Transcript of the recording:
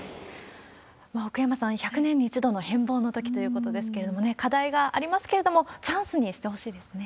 奥山さん、１００年に１度の変貌の時ということですけれども、課題がありますけれども、チャンスにしてほしいですね。